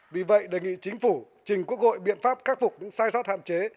vì vậy đề nghị chính phủ trình quốc hội biện pháp khắc phục những sai sót hạn chế